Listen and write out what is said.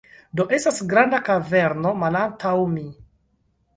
Do, estas granda kaverno malantaŭ mi